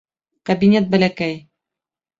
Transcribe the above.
Кабинет бәләкәй